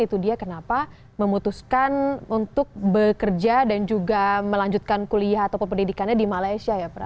itu dia kenapa memutuskan untuk bekerja dan juga melanjutkan kuliah ataupun pendidikannya di malaysia ya pra